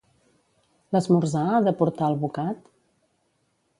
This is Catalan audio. L'esmorzar ha de portar alvocat?